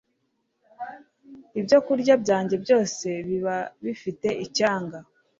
Ibyokurya byanjye byose biba bifite icyanga